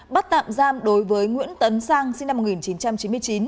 bắt tạm giam đối với nguyễn tấn sang sinh năm một nghìn chín trăm chín mươi chín